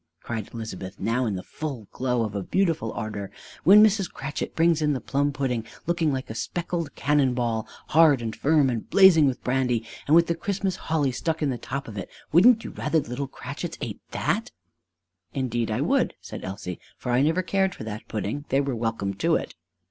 cried Elizabeth, now in the full glow of a beautiful ardor; "when Mrs. Cratchit brings in the plum pudding looking like a speckled cannon ball, hard and firm and blazing with brandy and with Christmas holly stuck in the top of it, wouldn't you rather the little Cratchits ate that?" "Indeed I would!" said Elsie; "for I never cared for that pudding; they were welcome to it."